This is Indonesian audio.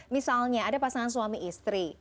misalnya ada pasangan suami istri